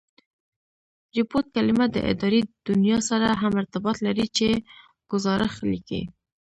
ریپوټ کلیمه د اداري دونیا سره هم ارتباط لري، چي ګوزارښ لیکي.